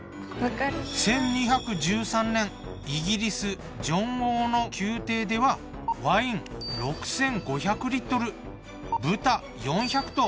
１２１３年イギリスジョン王の宮廷ではワイン６，５００豚４００頭